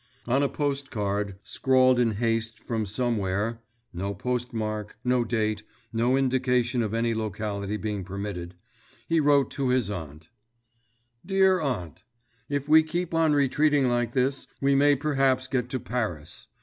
On a post card, scrawled in haste from somewhere (no postmark, no date, no indication of any locality being permitted), he wrote to his aunt: DEAR AUNT: _If we keep on retreating like this, we may perhaps get to Paris.